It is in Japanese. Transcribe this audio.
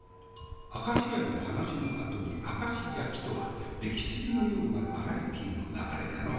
明石家の話のあとに明石焼きとは出来過ぎのようなバラエティーの流れだのう。